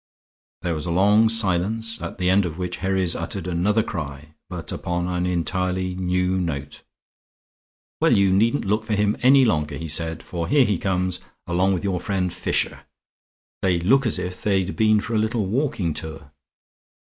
There was a long silence, at the end of which Herries uttered another cry, but upon an entirely new note. "Well, you needn't look for him any longer," he said, "for here he comes, along with your friend Fisher. They look as if they'd been for a little walking tour."